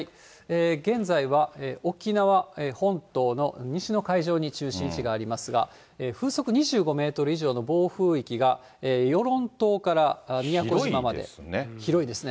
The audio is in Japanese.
現在は沖縄本島の西の海上に中心位置がありますが、風速２５メートル以上の暴風域が、広いですね。